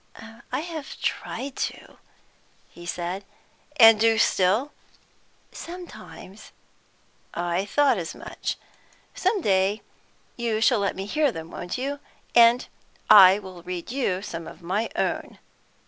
"I have tried to," he said. "And do still?" "Sometimes." "I thought as much. Some day you shall let me hear them; won't you? And I will read you some of my own.